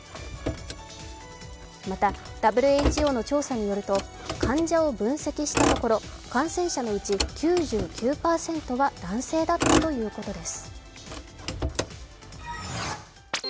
またＷＨＯの調査によると、患者を分析したところ、感染者のうち９９％は男性だったということです。